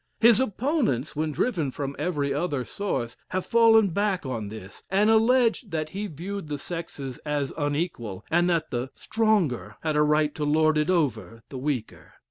His opponents, when driven from every other source, have fallen back on this, and alleged that he viewed the sexes as unequal, and that the stronger had a right to lord it over the weaker.